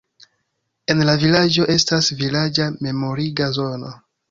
En la vilaĝo estas vilaĝa memoriga zono.